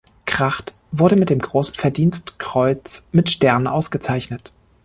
Kracht wurde mit dem Großen Verdienstkreuz mit Stern ausgezeichnet.